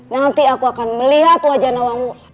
nanti aku akan melihat wajah nawangmu